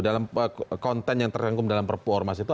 dalam konten yang terangkum dalam perpuormas itu